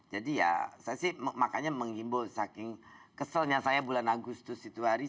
jadi ya makanya menghimbau saking keselnya saya bulan agustus itu hari